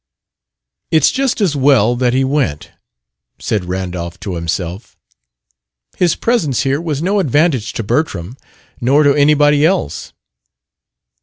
"It's just as well that he went," said Randolph to himself. "His presence here was no advantage to Bertram nor to anybody else."